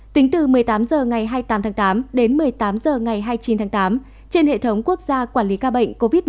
tính từ một mươi tám h ngày hai mươi tám tháng tám đến một mươi tám h ngày hai mươi chín tháng tám trên hệ thống quốc gia quản lý ca bệnh covid một mươi chín